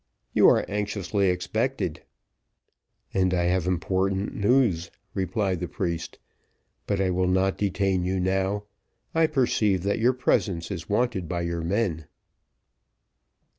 You are anxiously expected." "And I have important news," replied the priest; "but I will not detain you now; I perceive that your presence is wanted by your men."